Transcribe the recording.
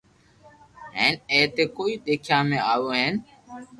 ھين اي ني ڪوئي ديکيا ۾ آوو ھين